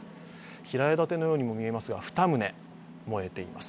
平屋建てのようにも見えますが２棟燃えています。